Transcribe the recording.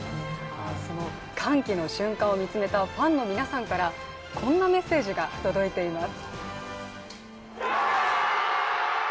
その歓喜の瞬間を見つめたファンの皆さんからこんなメッセージが届いています。